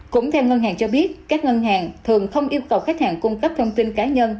cũng theo ngân hàng cho biết các ngân hàng thường không yêu cầu khách hàng cung cấp thông tin cá nhân